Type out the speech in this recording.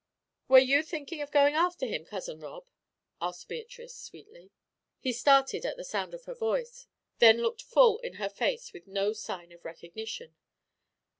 "Were you thinking of going after him, Cousin Rob?" asked Beatrice, sweetly. He started at the sound of her voice, then looked full in her face with no sign of recognition.